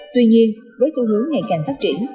tuy nhiên với xu hướng ngày càng phát triển